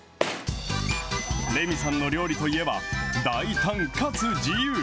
レミさんの料理といえば、大胆かつ自由。